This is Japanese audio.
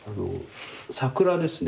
桜ですね